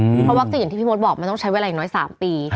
เพราะว่าอย่างที่พี่มดบอกมันต้องใช้เวลาอย่างน้อย๓ปี